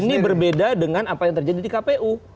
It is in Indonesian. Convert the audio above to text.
ini berbeda dengan apa yang terjadi di kpu